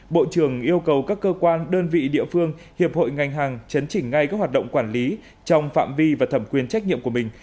bộ trưởng yêu cầu các cơ quan đơn vị địa phương hiệp hội ngành hàng chấn chỉnh ngay các hoạt động quản lý trong phạm vi và thẩm quyền trách nhiệm của mình